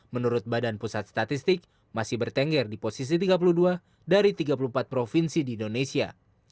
menurut badan pusat statistik masih bertengger di posisi tiga puluh dua dari tiga puluh empat provinsi di indonesia